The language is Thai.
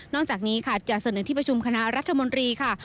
นอกจากนี้จะเสนอที่ประชุมคณะรัฐมนตรี